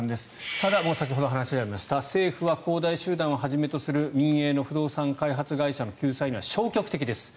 ただ、先ほどのお話にありました政府は恒大集団をはじめとする民営の不動産開発会社の救済には消極的です。